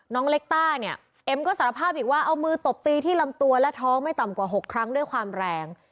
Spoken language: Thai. น้องเล็กต้าเนี่ยเอ็มก็สารภาพอีกว่าเอามือตบตีที่ลำตัวและท้องไม่ต่ำกว่า๖ครั้งด้วยความแรง